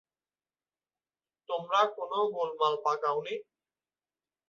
তোমরা কোনো গোলমাল পাকাওনি।